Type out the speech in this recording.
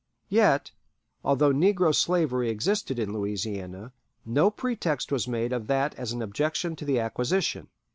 Yet, although negro slavery existed in Louisiana, no pretext was made of that as an objection to the acquisition.